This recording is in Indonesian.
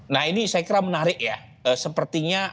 nah ini saya kira menarik ya sepertinya